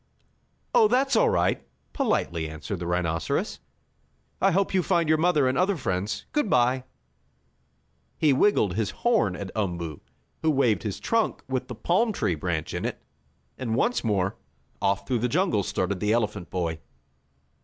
"Oh, that's all right," politely answered the rhinoceros. "I hope you find your mother and other friends. Good bye!" He wiggled his horn at Umboo, who waved his trunk with the palm tree branch in it, and once more, off through the jungle started the elephant boy.